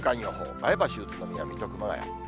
前橋、宇都宮、水戸、熊谷。